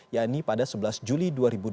yakni pada sebelas juli dua ribu dua puluh